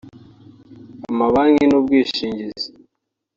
amabanki n’ubwishingizi